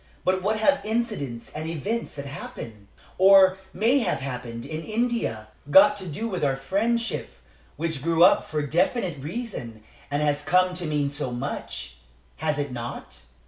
But what have incidents and events that happened, or may have happened, in India, got to do with our friendship, which grew up for definite reasons and has come to mean so much has it not?